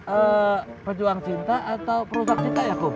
eee pejuang cinta atau perusahaan cinta ya kum